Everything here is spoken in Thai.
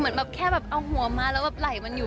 เหมือนแบบแค่แบบเอาหัวมาแล้วแบบไหล่มันอยู่